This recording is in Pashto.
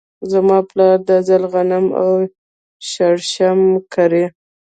زما پلار دا ځل غنم او شړشم کري.